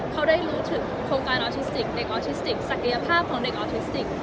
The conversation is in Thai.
เขาได้รู้ถึงโครงการออทิสติกเด็กออทิสติกศักยภาพของเด็กออทิสติก